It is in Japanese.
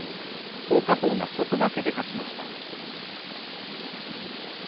宝香鵬が外掛けで勝ちました。